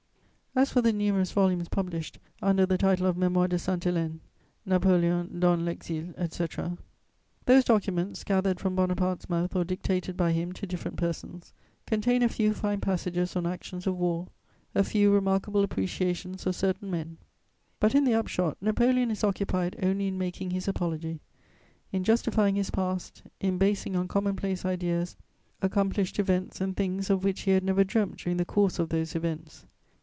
[Sidenote: Napoleon as writer.] As for the numerous volumes published under the title of Mémoires de Sainte Hélène, Napoléon dans l'exil., etc., those documents, gathered from Bonaparte's mouth or dictated by him to different persons, contain a few fine passages on actions of war, a few remarkable appreciations of certain men; but, in the upshot, Napoleon is occupied only in making his apology, in justifying his past, in basing on commonplace ideas accomplished events and things of which he had never dreamt during the course of those events.